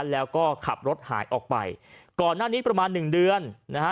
แล้วก็ขับรถหายออกไปก่อนหน้านี้ประมาณหนึ่งเดือนนะฮะ